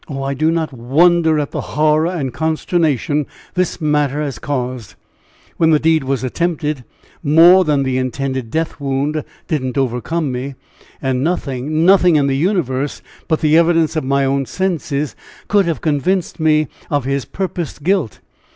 "Oh, I do not wonder at the horror and consternation this matter has caused. When the deed was attempted, more than the intended death wound didn't overcome me! And nothing, nothing in the universe but the evidence of my own senses could have convinced me of his purposed guilt!